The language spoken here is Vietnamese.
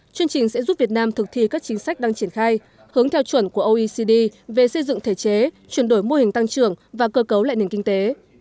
chương trình sẽ giúp việt nam thực thi các chính sách đang triển khai hướng theo chuẩn của oecd về xây dựng thể chế chuyển đổi mô hình tăng trưởng và cơ cấu lại nền kinh tế